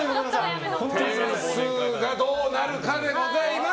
点数がどうなるかでございます。